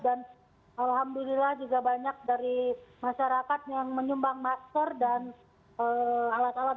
dan alhamdulillah juga banyak dari masyarakat yang menyumbang masker dan alat alat